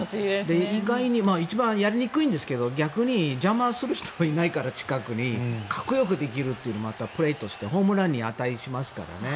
意外に一番やりにくいんですけど逆に邪魔する人が近くにいないからかっこよくできるというプレーとしてホームランに値しますからね。